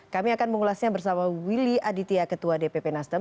kami akan mengulasnya bersama willy aditya ketua dpp nasdem